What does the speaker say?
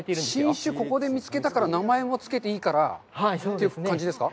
新種、ここで見つけたから、名前もつけていいからという感じですか。